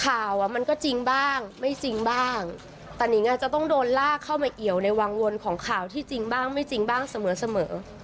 อ่ะมันก็จริงบ้างไม่จริงบ้างแต่นิงอาจจะต้องโดนลากเข้ามาเอี่ยวในวังวนของข่าวที่จริงบ้างไม่จริงบ้างเสมอเสมอ